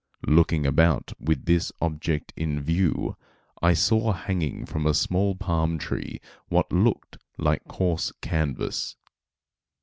Looking about with this object in view, I saw hanging from a small palm tree what looked like coarse canvas.